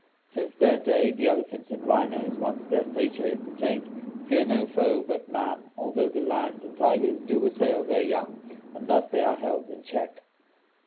Since their day the elephants and rhinos, once their stature is attained, fear no foe but man, although the lions and tigers do assail their young and thus they are held in check.